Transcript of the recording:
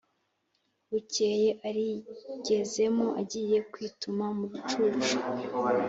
Bukeye arigezemo agiye kwituma mu rucucu